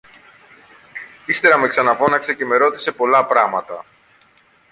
Ύστερα με ξαναφώναξε και με ρώτησε πολλά πράματα